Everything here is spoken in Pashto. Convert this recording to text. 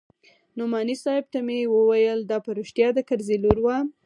نعماني صاحب ته مې وويل دا په رښتيا د کرزي لور وه.